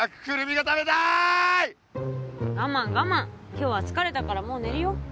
今日はつかれたからもうねるよ。